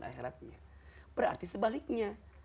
akhiratnya berarti sebaliknya